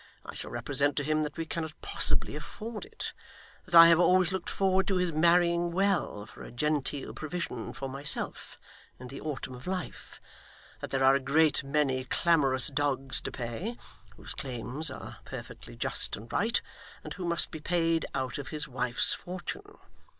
I shall represent to him that we cannot possibly afford it that I have always looked forward to his marrying well, for a genteel provision for myself in the autumn of life that there are a great many clamorous dogs to pay, whose claims are perfectly just and right, and who must be paid out of his wife's fortune.